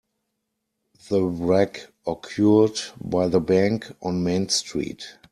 The wreck occurred by the bank on Main Street.